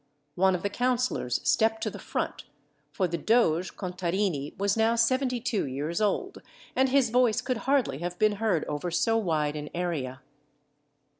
One of the councillors stepped to the front, for the doge, Contarini, was now seventy two years old, and his voice could hardly have been heard over so wide an area.